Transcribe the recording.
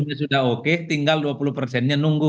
delapan puluh nya sudah oke tinggal dua puluh nya nunggu